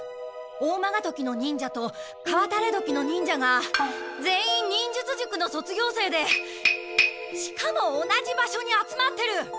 オーマガトキの忍者とカワタレドキの忍者が全員忍術塾の卒業生でしかも同じ場所に集まってる。